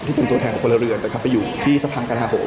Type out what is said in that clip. ที่เป็นตัวแทนของพลเรือนนะครับไปอยู่ที่สะพานกานา๖